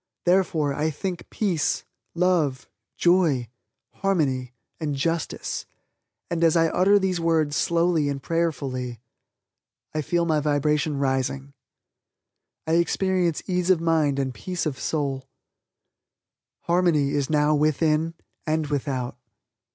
Therefore, I think peace, joy, love, harmony and justice, and, as I utter these words slowly and prayerfully, I feel my vibration rising I experience ease of mind and peace of soul. Harmony is now within and without.